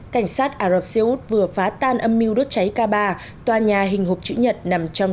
cảnh sát ả rập xê út vừa phá tan âm mưu đốt cháy k ba tòa nhà hình hộp chữ nhật nằm trong